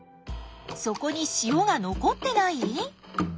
底に塩が残ってない？